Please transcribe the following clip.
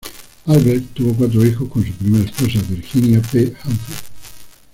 Albert tuvo cuatro hijos con su primera esposa, Virginia P Humphrey.